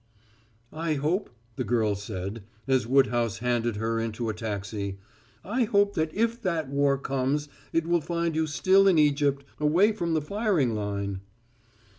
"I hope," the girl said, as Woodhouse handed her into a taxi, "I hope that if that war comes it will find you still in Egypt, away from the firing line."